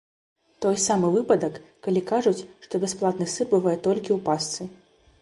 Той самы выпадак, калі кажуць, што бясплатны сыр бывае толькі ў пастцы.